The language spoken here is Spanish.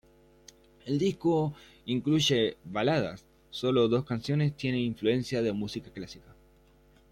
El disco incluye baladas, sólo dos canciones tienen influencia de música clásica.